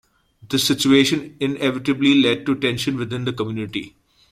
This situation inevitably led to tensions within the community.